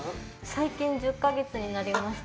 最近１０か月になりました。